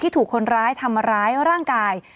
ถูกคนร้ายทำร้ายร่างกาย